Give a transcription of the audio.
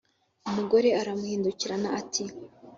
umugore aramuhindukirana ati